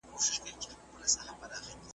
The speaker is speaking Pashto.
تاریخ د راتلونکي لارښوونه کوي.